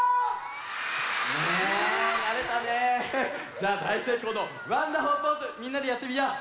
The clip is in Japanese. じゃあだいせいこうのワンダホーポーズみんなでやってみよう。